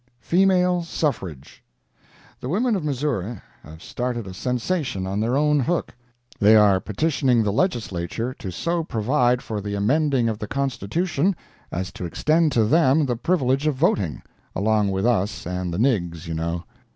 FEMALE SUFFRAGE The women of Missouri have started a sensation on their own hook. They are petitioning the Legislature to so provide for the amending of the Constitution as to extend to them the privilege of voting (along with us and the nigs., you know).